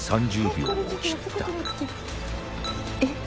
３０秒を切ったえっ？